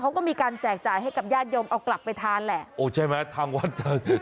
เขาก็มีการแจกจ่ายให้กับญาติโยมเอากลับไปทานแหละโอ้ใช่ไหมทางวัด